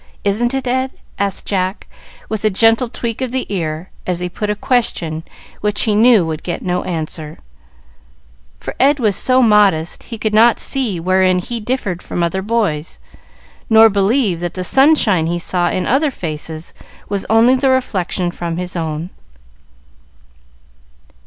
Isn't it, Ed?" asked Jack, with a gentle tweak of the ear as he put a question which he knew would get no answer, for Ed was so modest he could not see wherein he differed from other boys, nor believe that the sunshine he saw in other faces was only the reflection from his own.